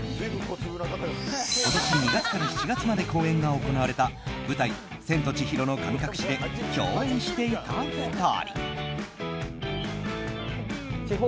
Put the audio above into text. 今年２月から７月まで公演が行われた舞台「千と千尋の神隠し」で共演していた２人。